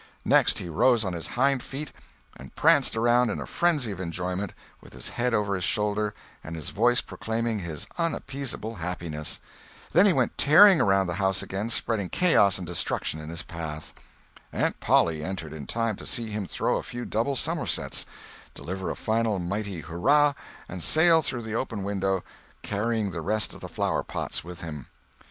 Next he rose on his hind feet and pranced around, in a frenzy of enjoyment, with his head over his shoulder and his voice proclaiming his unappeasable happiness. Then he went tearing around the house again spreading chaos and destruction in his path. Aunt Polly entered in time to see him throw a few double summersets, deliver a final mighty hurrah, and sail through the open window, carrying the rest of the flower pots with him.